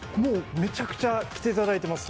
めちゃくちゃ来ていただいています。